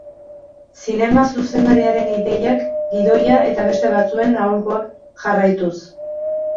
Zinema zuzendariaren ideiak, gidoia eta beste batzuen aholkuak jarraituz.